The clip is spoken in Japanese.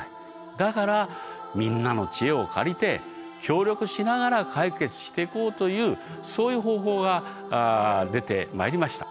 だからみんなの知恵を借りて協力しながら解決していこうというそういう方法が出てまいりました。